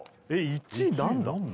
１位何だ？